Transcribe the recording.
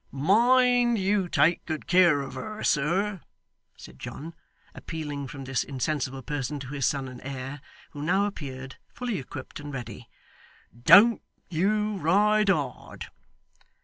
'Mind you take good care of her, sir,' said John, appealing from this insensible person to his son and heir, who now appeared, fully equipped and ready. 'Don't you ride hard.